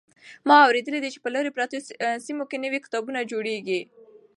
ما اورېدلي دي چې په لرې پرتو سیمو کې نوي کتابتونونه جوړېږي.